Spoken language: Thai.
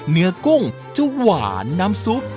เนื้อกุ้งจะหวานน้ำซุป